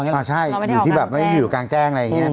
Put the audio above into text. อ่าใช่อยู่ที่แบบไม่ได้อยู่กลางแจ้งอะไรอย่างนี้